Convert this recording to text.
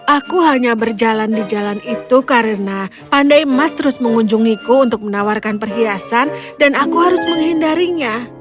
aku hanya berjalan di jalan itu karena pandai emas terus mengunjungiku untuk menawarkan perhiasan dan aku harus menghindarinya